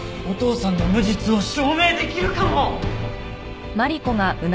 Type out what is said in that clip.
お父さんの無実を証明できるかも！